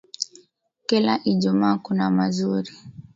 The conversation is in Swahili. Kila ijumaa kuna mazuri.